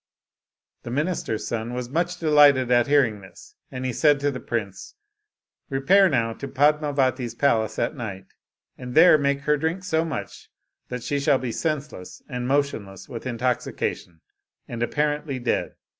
The minister's son was much delighted at hearing this, and he said to the prince, " Repair now to Padmavati's palace at night, and there make her drink so much, that she shall be senseless and motionless with intoxication, and apparently dead.